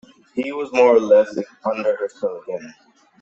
He was more or less under her spell again.